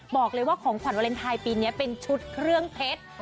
บอกเลยว่าของขวัญวาเลนไทยปีนี้เป็นชุดเครื่องเพชร